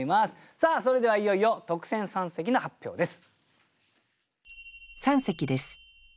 さあそれではいよいよ特選三席の発表です。